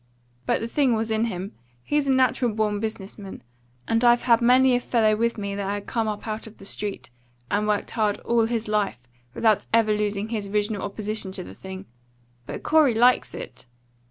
But the thing was in him. He's a natural born business man; and I've had many a fellow with me that had come up out of the street, and worked hard all his life, without ever losing his original opposition to the thing. But Corey likes it.